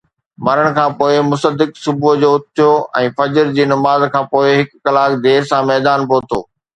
مرڻ کان پوءِ، مصدق صبح جو اٿيو ۽ فجر جي نماز کان پوءِ هڪ ڪلاڪ دير سان ميدان پهتو.